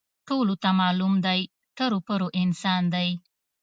ټولو ته معلوم دی، ټرو پرو انسان دی.